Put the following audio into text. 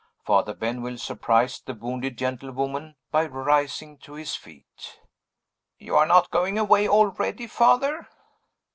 Father Benwell surprised the wounded gentlewoman by rising to his feet. "You are not going away already, Father?"